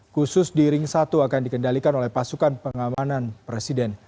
khusus di ring satu akan dikendalikan oleh pasukan pengamanan presiden